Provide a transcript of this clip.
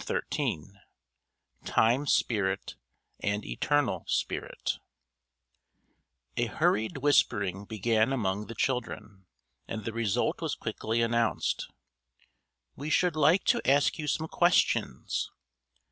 IV TIME SPIRIT AND ETERNAL SPIRIT A HURRIED whispering began among the children, and the result was quickly announced: "We should like to ask you some questions."